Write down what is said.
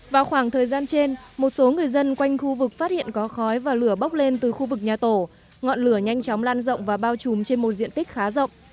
vào khoảng thời gian trên một số người dân quanh khu vực phát hiện có khói và lửa bốc lên từ khu vực nhà tổ ngọn lửa nhanh chóng lan rộng và bao trùm trên một diện tích khá rộng